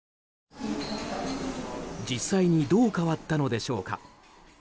実際にどう変わったのでしょうか。